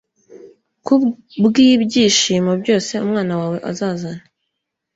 Kubwibyishimo byose Umwana wawe azazana